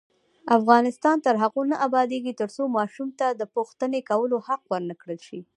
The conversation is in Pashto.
افغانستان تر هغو نه ابادیږي، ترڅو ماشوم ته د پوښتنې کولو حق ورکړل نشي.